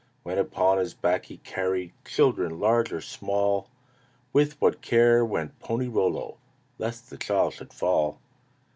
When upon his back he carried Children large or small, With what care went Pony Rollo Lest the child should fall.